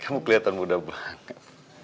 kamu keliatan muda banget